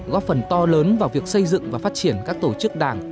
góp phần to lớn vào việc xây dựng và phát triển các tổ chức đảng